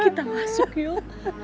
kita masuk yuk